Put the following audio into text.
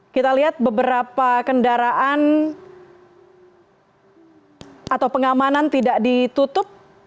kita lihat beberapa kendaraan atau pengamanan tidak ditutup